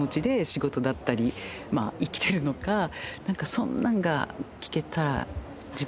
そんなんが聞けたら。